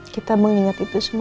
kita mengingat itu semua